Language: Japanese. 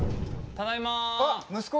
ただいま。